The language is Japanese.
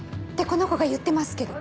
この子が言ってますけど。